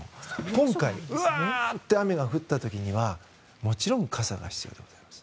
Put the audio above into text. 今回、わーって雨が降った時にはもちろん傘が必要です。